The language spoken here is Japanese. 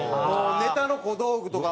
ネタの小道具とか。